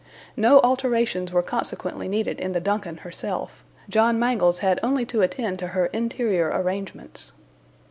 No alterations were consequently needed in the DUNCAN herself; John Mangles had only to attend to her interior arrangements.